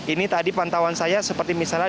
ini tadi pantauan saya seperti misalnya